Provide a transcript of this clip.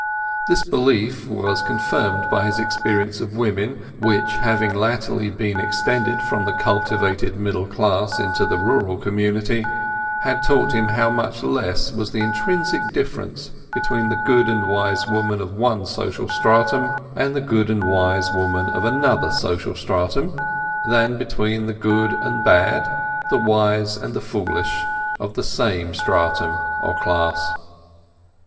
This belief was confirmed by his experience of women, which, having latterly been extended from the cultivated middle class into the rural community, had taught him how much less was the intrinsic difference between the good and wise woman of one social stratum and the good and wise woman of another social stratum, than between the good and bad, the wise and the foolish, of the same stratum or class.